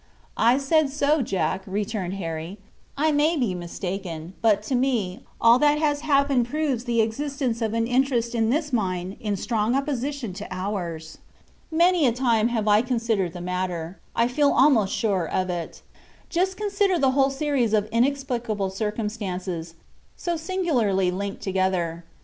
"I said so, Jack," returned Harry. "I may be mistaken, but, to me, all that has happened proves the existence of an interest in this mine in strong opposition to ours. Many a time have I considered the matter; I feel almost sure of it. Just consider the whole series of inexplicable circumstances, so singularly linked together.